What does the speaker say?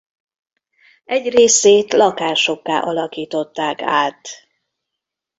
Egy részét lakásokká alakították át.